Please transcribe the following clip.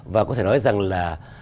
và có thể nói rằng là